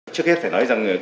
trước hết phải nói rằng